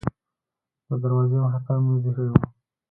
د دروازې مخې ته میز ایښی و.